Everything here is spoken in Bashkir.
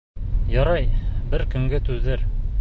Ярай, бер көнгә түҙер.